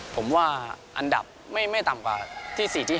ผมว่าอันดับไม่ต่ำกว่าที่๔ที่๕